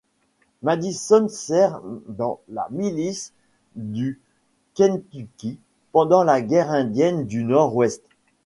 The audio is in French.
Madison sert dans la milice du Kentucky pendant la guerre indienne du Nord-Ouest.